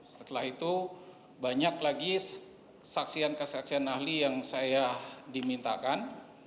setelah itu banyak lagi saksian kesaksian ahli yang saya dimintakan